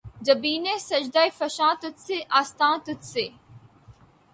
جبینِ سجدہ فشاں تجھ سے‘ آستاں تجھ سے